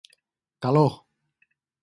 Calor.